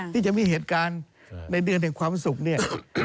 ที่จะมีเหตุการณ์ในเดือนแห่งความสุขเนี่ย